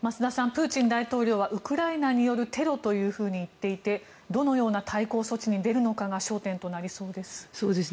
プーチン大統領はウクライナによるテロというふうに言っていてどのような対抗措置に出るのかが焦点となりそうです。